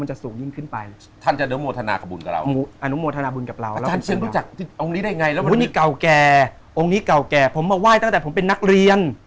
อาจารย์เด็กมันจะสูงยิ่งขึ้นไป